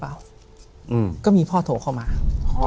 ถูกต้องไหมครับถูกต้องไหมครับ